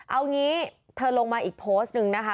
เอางี้เธอลงมาอีกโพสต์หนึ่งนะคะ